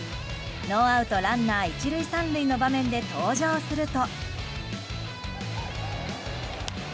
ノーアウトランナー１塁３塁の場面で登場すると。